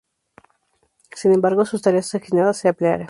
Sin embargo, sus tareas asignadas se ampliaron.